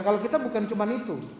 kalau kita bukan cuma itu